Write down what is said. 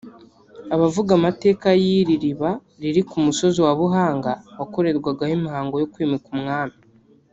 Abavuga amateka y’iri riba riri ku musozi wa Buhanga wakorerwagaho imihango yo kwimika abami